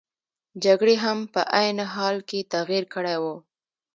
جګړې هم په عین حال کې تغیر کړی وو.